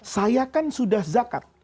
saya kan sudah zakat